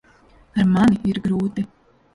Ar mani ir grūti.